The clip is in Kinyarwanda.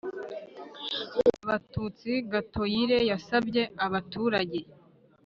Abatutsi Gatoyire yasabye abaturage